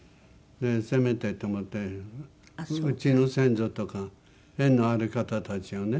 せめてと思ってうちの先祖とか縁のある方たちをね